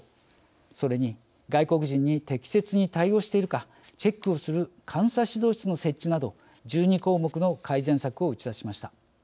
それに外国人に適切に対応しているかチェックをする監査指導室の設置など１２項目の改善策を打ち出しました。